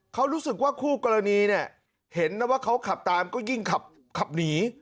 เขารู้สึกว่าคู่กรณีเนี่ยเห็นนะว่าเขาขับตามก็ยิ่งขับหนี